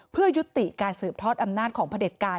เพื่อยุติการสืบทอดอำนาจของพระเด็จการ